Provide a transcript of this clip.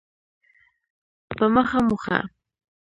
په مخه مو ښه.